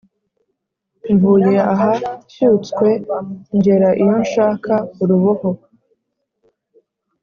Mvuye aha nshyutswe ngera iyo nshaka-Uruboho.